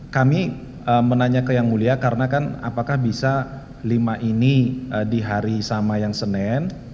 kami menanya ke yang mulia karena kan apakah bisa lima ini di hari sama yang senin